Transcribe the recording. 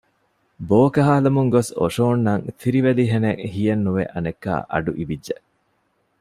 ބޯކަހާލަމުން ގޮސް އޮށޯންނަން ތިރިވެލިހެނެއް ހިޔެއްނުވެ އަނެއްކާ އަޑު އިވިއްޖެ